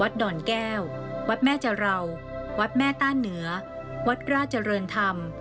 ดอนแก้ววัดแม่จะราววัดแม่ต้าเหนือวัดราชเจริญธรรม